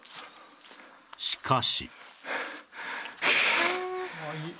しかし